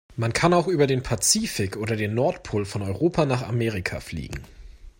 Man kann auch über den Pazifik oder den Nordpol von Europa nach Amerika fliegen.